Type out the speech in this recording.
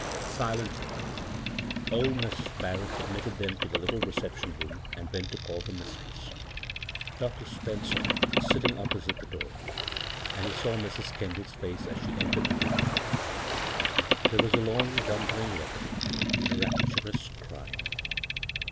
Silently old Mrs. Barrett ad mitted them to the little reception ioom, and went to call her mistress. Dr. Spencer was sitting opposite the door, and he saw Mrs. Kendall's face as she entered the room. There was a long wondering look, then a rapturous cry.